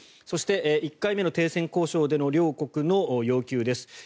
そして１回目の停戦交渉での両国の要求です。